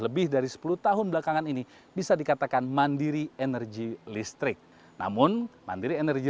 lebih dari sepuluh tahun belakangan ini bisa dikatakan mandiri energi listrik namun mandiri energi